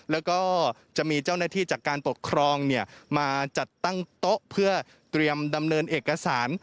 แล้วก็จะมีเจ้าหน้าที่จากการปกครองมาจัดตั้งโต๊ะเพื่อเตรียมดำเนินเอกสาร